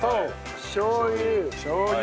しょう油。